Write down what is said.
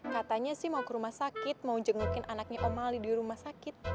katanya sih mau ke rumah sakit mau jengukin anaknya om ali di rumah sakit